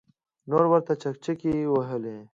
نورو ورته چکچکې وهلې.